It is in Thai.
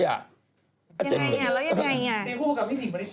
ยังไงยังไงยังไง